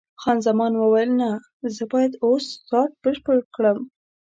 خان زمان وویل: نه، زه باید اوس چارټ بشپړ کړم.